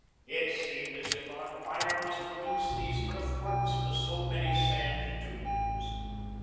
It seemed as if our fire must reduce these earthworks to so many sand dunes.